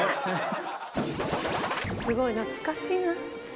すごい懐かしいな。